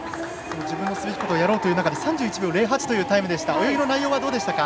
自分のすべきことをやろうという中で３８秒０８というタイムでした、泳ぎの内容はどうでしたか？